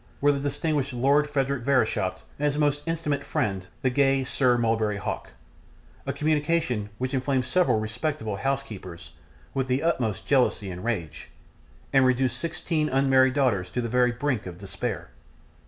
were the distinguished Lord Frederick Verisopht and his most intimate friend, the gay Sir Mulberry Hawk a communication which inflamed several respectable house keepers with the utmost jealousy and rage, and reduced sixteen unmarried daughters to the very brink of despair.